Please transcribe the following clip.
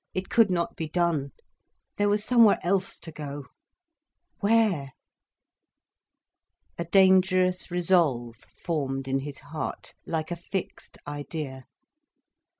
It could not be done. There was somewhere else to go. Where? A dangerous resolve formed in his heart, like a fixed idea.